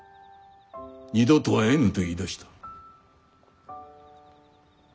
二度と会えぬ」と言いだした。